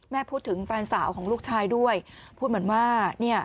พูดถึงแฟนสาวของลูกชายด้วยพูดเหมือนว่าเนี่ย